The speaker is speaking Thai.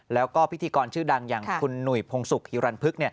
แล้วก็พิธีกรชื่อดังอย่างคุณหนุ่ยพงศุกร์ฮิรันพึก